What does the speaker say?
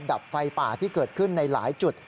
ดับไฟป่าที่เกิดขึ้นในหลายจุด